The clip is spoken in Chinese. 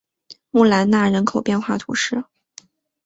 穆兰纳人口变化图示